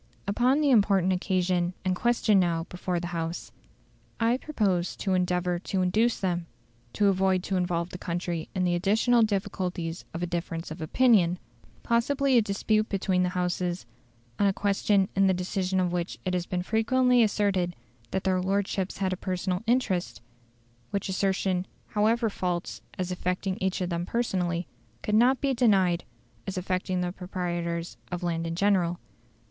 "Upon the important occasion and question now before the House, I propose to endeavour to induce them to avoid to involve the country in the additional difficulties of a difference of opinion, possibly a dispute between the Houses, on a question in the decision of which it has been frequently asserted that their lordships had a personal interest; which assertion, however false as affecting each of them personally, could not be denied as affecting the proprietors of land in general.